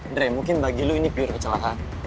ndre mungkin bagi lu ini piur kecelakaan